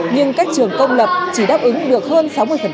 nhưng các trường công lập chỉ đáp ứng được hơn sáu mươi